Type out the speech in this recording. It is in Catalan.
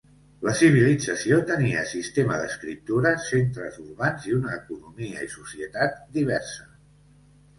La civilització tenia sistema d'escriptura, centres urbans i una economia i societat diversa.